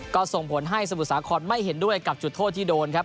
ก็ส่งผลให้สมุทรสาครไม่เห็นด้วยกับจุดโทษที่โดนครับ